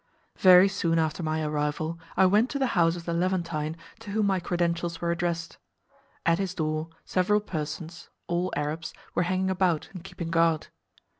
Very soon after my arrival I went to the house of the Levantine to whom my credentials were addressed. At his door several persons (all Arabs) were hanging about and keeping guard.